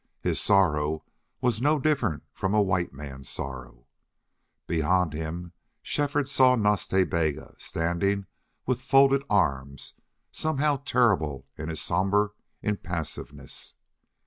His sorrow was no different from a white man's sorrow. Beyond him Shefford saw Nas Ta Bega standing with folded arms, somehow terrible in his somber impassiveness.